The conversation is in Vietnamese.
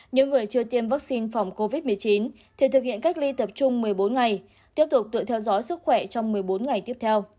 những người chưa tiêm vaccine phòng covid một mươi chín thì thực hiện cách ly tập trung một mươi bốn ngày tiếp tục tự theo dõi sức khỏe trong một mươi bốn ngày tiếp theo